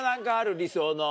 理想の。